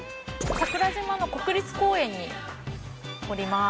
桜島の国立公園におります。